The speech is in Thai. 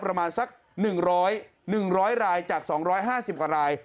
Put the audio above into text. ประมาณสัก๑๐๐๑๐๐รายจาก๒๕๐กว่าราย